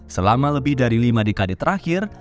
selama lebih dari lima dekade terakhir